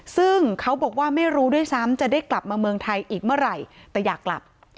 ซึ่งเขาบอกว่าไม่รู้ด้วยซ้ำจะได้กลับมาเมืองไทยอีกเมื่อไหร่แต่อยากกลับ